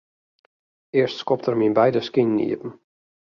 Earst skopt er myn beide skinen iepen.